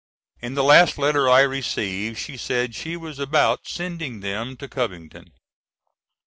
In the last letter I received she said she was about sending them to Covington.